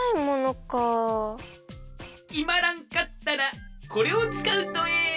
きまらんかったらこれをつかうとええ！